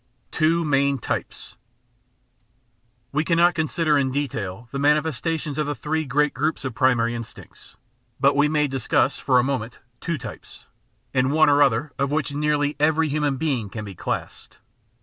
Two Main Types We cannot consider in detail the manifestations of the three great groups of primary instincts, but we may discuss, for a moment, two types, in one or other of which nearly every human being can be classed.